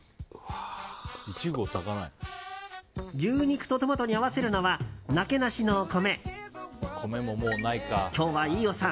牛肉とトマトに合わせるのはなけなしの米。